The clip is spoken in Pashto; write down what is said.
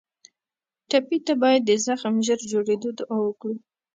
ټپي ته باید د زخم ژر جوړېدو دعا وکړو.